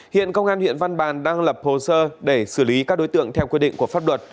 hiện công an huyện văn bàn đang lập hồ sơ để xử lý các đối tượng theo quy định của pháp luật